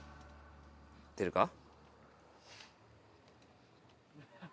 出るか？